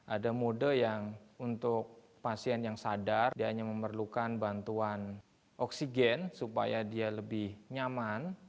ada mode yang untuk pasien yang sadar dia hanya memerlukan bantuan oksigen supaya dia lebih nyaman